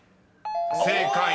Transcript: ［正解。